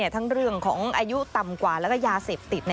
ทั้งเรื่องของอายุต่ำกว่าแล้วก็ยาเสพติด